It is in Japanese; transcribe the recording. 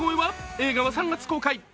映画は３月公開。